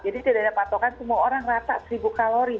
jadi tidak ada patokan semua orang rata seribu kalori